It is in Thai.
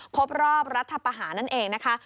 ครบรอบรัฐประหารนั่นเองนะคะ